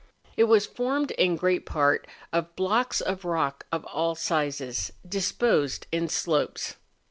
It was formed in great part of blocks of rock of all sizes, disposed in slopes.